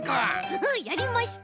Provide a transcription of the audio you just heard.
フフやりました。